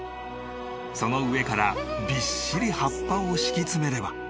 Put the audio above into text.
その上からビッシリ葉っぱを敷き詰めれば。